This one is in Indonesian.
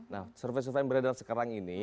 nah survei survei yang beredar sekarang ini